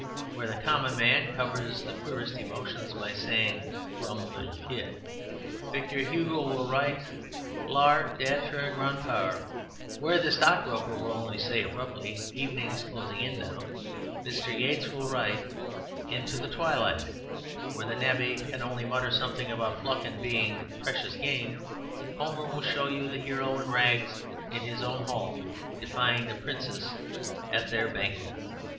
Where the common man covers the queerest emotions by saying, "Rum little kid," Victor Hugo will write "L'art d'etre grand pere"; where the stockbroker will only say abruptly, "Evenings closing in now," Mr. Yeats will write "Into the twilight"; where the navvy can only mutter something about pluck and being "precious game," Homer will show you the hero in rags in his own hall defying the princes at their banquet.